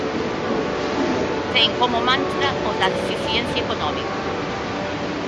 Ten como mantra o da eficiencia económica.